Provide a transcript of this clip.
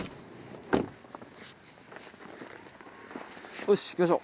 おし行きましょう。